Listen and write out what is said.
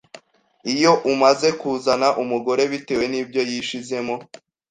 iyo umaze kuzana umugore bitewe nibyo yishizemo